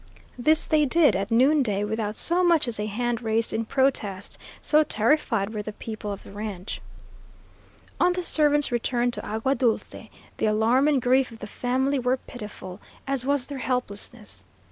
This they did at noonday, without so much as a hand raised in protest, so terrified were the people of the ranch. On the servant's return to Agua Dulce, the alarm and grief of the family were pitiful, as was their helplessness.